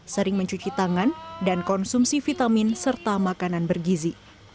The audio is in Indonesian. sering mencuci tangan dan konsumsi vitamin serta makanan bergizi